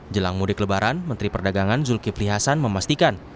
jelang mudik lebaran menteri perdagangan zulkifli hasan memastikan